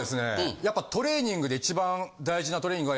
やっぱトレーニングで一番大事なトレーニングは。